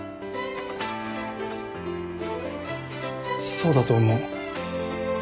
そうだと思う。